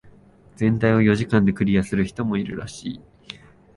全体を四時間でクリアする人もいるらしい。